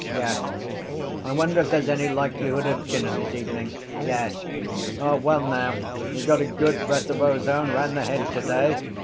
Yes... I wonder if there’s any likelihood of dinner this evening. Yes... O, well now, we got a good breath of ozone round the Head today.